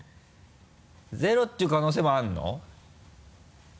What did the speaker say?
ゼロっていう可能性もあるの？